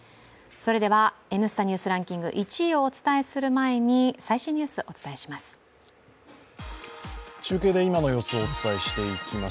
それでは、「Ｎスタ・ニュースランキング」１位をお伝えする前に、最新ニュースをお伝えします。